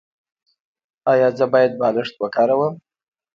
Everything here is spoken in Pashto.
ایا زه باید بالښت وکاروم؟